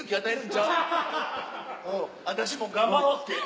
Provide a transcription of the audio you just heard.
私も頑張ろうって。